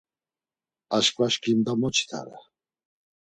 Aşǩva şǩimda moçitare.